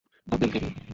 Apple, তাই না?